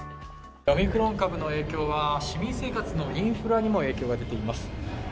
オミクロン株の影響は市民生活のインフラにも影響が出ています。